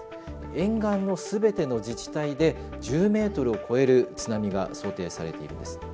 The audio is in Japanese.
沿岸の全ての自治体で１０ｍを超える津波が想定されているんです。